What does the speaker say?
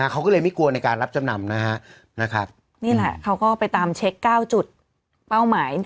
เขาก็เลยไม่กลัวในการรับจำนำนะฮะนี่แหละเขาก็ไปตามเช็ค๙จุดเป้าหมาย